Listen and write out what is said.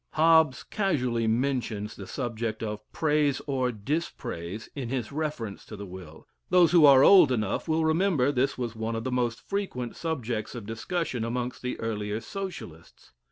Hobbes casually mentions the subject of "praise or dispraise," in reference to the will; those who are old enough will remember this was one of the most frequent subjects of discussion amongst the earlier Socialists.